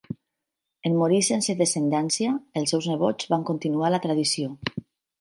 En morir sense descendència, els seus nebots van continuar la tradició.